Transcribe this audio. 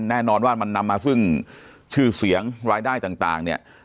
แน่นอนว่ามันนำมาซึ่งชื่อเสียงรายได้ต่างเนี่ย